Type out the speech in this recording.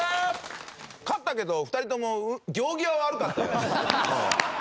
勝ったけど２人とも行儀は悪かったよ。